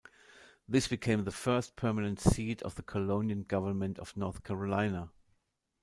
This became the first permanent seat of the colonial government of North Carolina.